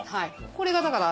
これがだから。